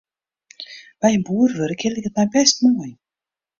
By in boer wurkje liket my bêst moai.